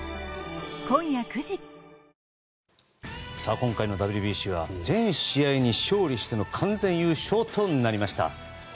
今回のＷＢＣは全試合に勝利しての完全優勝となりました。